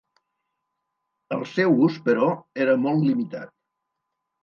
El seu ús, però, era molt limitat.